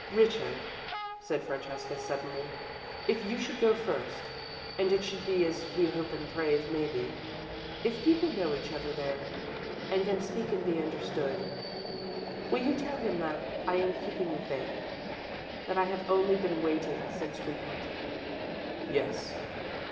"Richard," said Francesca, suddenly, "if you should go first, and it should be as we hope and pray it may be if people know each other there, and can speak and be understood, will you tell him that I am keeping the faith; that I have only been waiting since we parted?" "Yes.